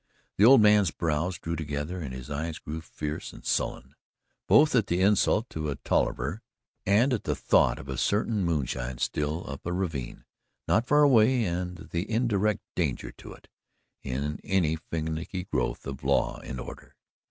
The old man's brows drew together and his eyes grew fierce and sullen, both at the insult to a Tolliver and at the thought of a certain moonshine still up a ravine not far away and the indirect danger to it in any finicky growth of law and order.